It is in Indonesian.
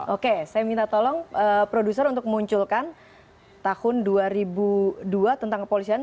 oke saya minta tolong produser untuk munculkan tahun dua ribu dua tentang kepolisian